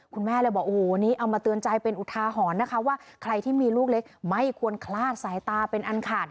คุณแม่เลยบอกโอ้โหนี้เอามาเตือนใจเป็นอุทาหรณ์นะคะว่าใครที่มีลูกเล็กไม่ควรคลาดสายตาเป็นอันขาด